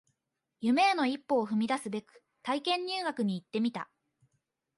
夢への一歩を踏み出すべく体験入学に行ってみた